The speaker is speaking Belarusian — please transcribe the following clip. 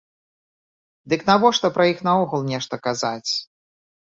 Дык навошта пра іх наогул нешта казаць?